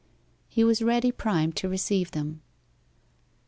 He was ready primed to receive them.